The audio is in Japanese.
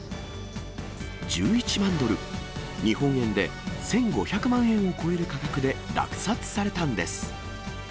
１１万ドル、日本円で１５００万円を超える価格で落札されたんです。